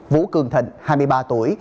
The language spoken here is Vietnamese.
vũ cường thịnh hai mươi ba tuổi